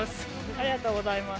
ありがとうございます。